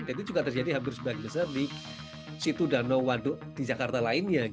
dan itu juga terjadi hampir sebagian besar di situ danau waduk di jakarta lainnya